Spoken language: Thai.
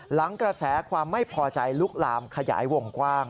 หลังกระแสความไม่พอใจลุกลามขยายวงกว้าง